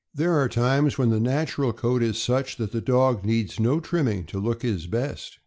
There are times when the natural coat is such that the dog needs no trimming to look his best.